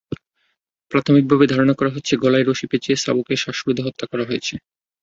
প্রাথমিকভাবে ধারণা করা হচ্ছে, গলায় রশি পেঁচিয়ে সাবুকে শ্বাসরোধে হত্যা করা হয়েছে।